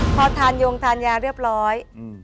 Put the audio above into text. พอทานยงทานยาเรียบร้อย